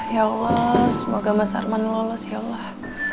ya allah semoga mas arman lolos ya allah